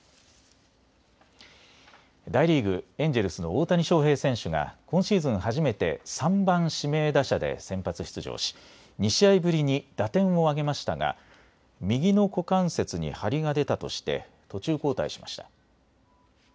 大リーグ、エンジェルスの大谷翔平選手が今シーズン初めて３番・指名打者で先発出場し２試合ぶりに打点を挙げましたが右の股関節に張りが出たとして途中交代しました。